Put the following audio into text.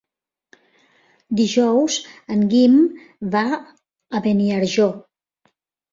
Dijous en Guim va a Beniarjó.